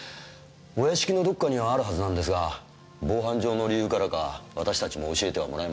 お屋敷のどこかにはあるはずなんですが防犯上の理由からか私たちも教えてはもらえません。